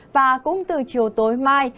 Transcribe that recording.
và cũng từ chiều tối mai